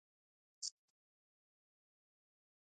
غزني د افغانستان د اقتصادي ودې لپاره خورا ډیر ارزښت لري.